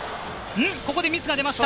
ここでミスが出ました。